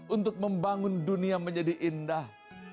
untuk membangun dunia menjadi indah